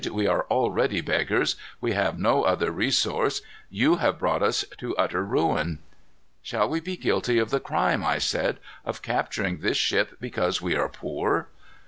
'We are already beggars. We have no other resource. You have brought us to utter ruin.' "'Shall we be guilty of the crime,' I said, 'of capturing this ship because we are poor?